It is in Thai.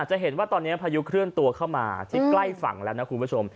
จะเห็นว่าตอนนี้พายุเคลื่อนตัวเข้ามาที่ใกล้ฝั่งแล้วนะคุณผู้ชม